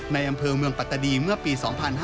ในอำเภอเมืองปัตตาดีเมื่อปี๒๕๕๙